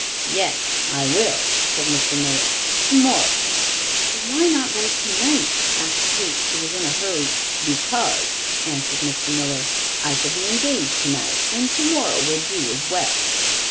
"Yes, I will," said Mr. Miller; "tomorrow." "But why not write tonight?" asked Kate, who was in a hurry. "Because," answered Mr. Miller, "I shall be engaged tonight and tomorrow will do as well."